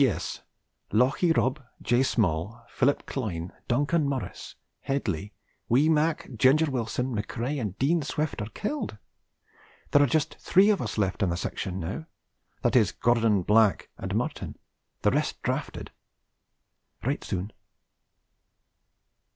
'P.S. Lochie Rob, J. Small, Philip Clyne, Duncan Morris, Headly, wee Mac, Ginger Wilson, Macrae and Dean Swift are killed. There are just three of us left in the section now, that is, Gordon, Black, and Martin, the rest drafted. 'Write soon.'